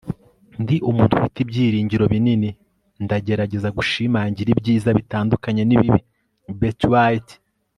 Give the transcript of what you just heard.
ndi umuntu ufite ibyiringiro binini. ndagerageza gushimangira ibyiza bitandukanye n'ibibi. - betty white